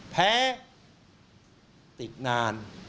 แพ้ติดนาน